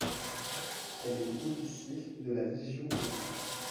Elle était officier de la Légion d'Honneur.